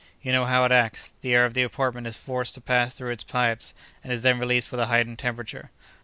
You know how it acts. The air of the apartments is forced to pass through its pipes, and is then released with a heightened temperature.